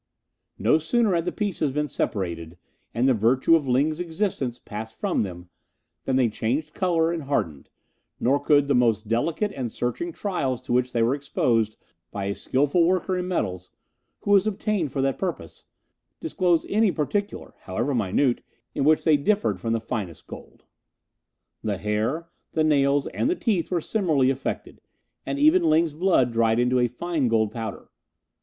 No sooner had the pieces been separated and the virtue of Ling's existence passed from them than they changed colour and hardened, nor could the most delicate and searching trials to which they were exposed by a skilful worker in metals, who was obtained for the purpose, disclose any particular, however minute, in which they differed from the finest gold. The hair, the nails, and the teeth were similarly affected, and even Ling's blood dried into a fine gold powder.